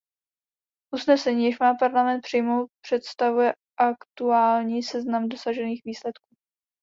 Usnesení, jež má Parlament přijmout, představuje aktuální seznam dosažených výsledků.